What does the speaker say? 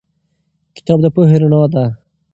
کتاب د پوهې رڼا ده.